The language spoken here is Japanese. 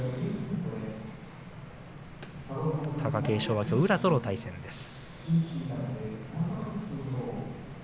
貴景勝はきょう宇良との対戦です。